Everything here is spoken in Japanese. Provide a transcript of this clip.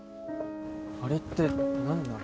あれって何なの？